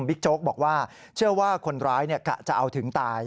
โจ๊กบอกว่าเชื่อว่าคนร้ายกะจะเอาถึงตาย